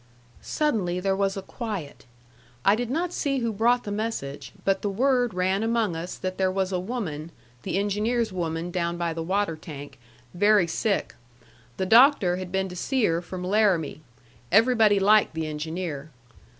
Suddenly there was a quiet. I did not see who brought the message; but the word ran among us that there was a woman the engineer's woman down by the water tank very sick. The doctor had been to see her from Laramie. Everybody liked the engineer.